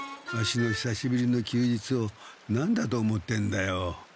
ワシのひさしぶりの休日を何だと思ってんだよ。